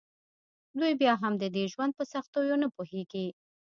دوی بیا هم د دې ژوند په سختیو نه پوهیږي